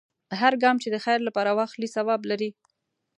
هر ګام چې د خیر لپاره واخلې، ثواب لري.